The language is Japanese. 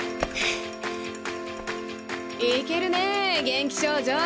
いけるね元気少女。